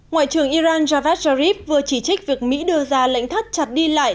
ngoại trưởng iran javad jarib vừa chỉ trích việc mỹ đưa ra lệnh thắt chặt đi lại